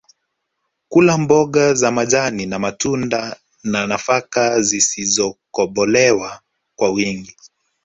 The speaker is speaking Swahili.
Kula mboga za majani na matunda na nafaka zisizokobolewa kwa wingi